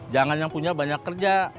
jangan yang punya banyak kerja